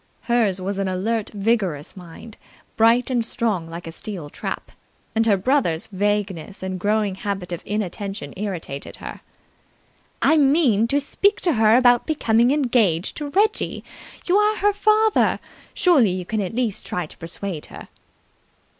Hers was an alert, vigorous mind, bright and strong like a steel trap, and her brother's vagueness and growing habit of inattention irritated her. "I mean to speak to her about becoming engaged to Reggie. You are her father. Surely you can at least try to persuade her."